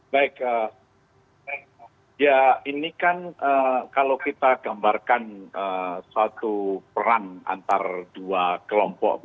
baik ya ini kan kalau kita gambarkan suatu peran antara dua kelompok